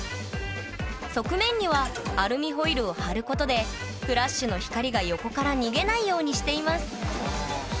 側面にはアルミホイルを貼ることでフラッシュの光が横から逃げないようにしています。